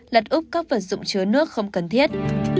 lật úc các vật dụng chứa nước không cần thiết